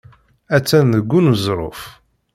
Attan deg uneẓruf.